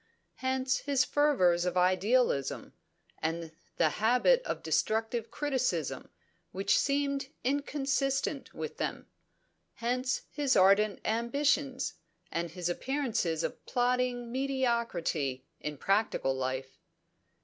Hence his fervours of idealism, and the habit of destructive criticism which seemed inconsistent with them. Hence his ardent ambitions, and his appearance of plodding mediocrity in practical life.